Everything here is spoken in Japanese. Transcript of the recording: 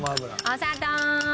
お砂糖。